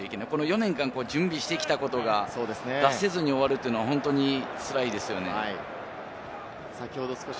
４年間準備してきたことが出せずに終わるというのは本当につらいですよね。